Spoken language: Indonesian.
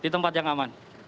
sempat yang aman